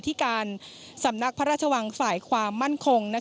ที่การสำนักพระราชวังฝ่ายความมั่นคง